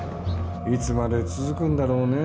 いつまで続くんだろうねえ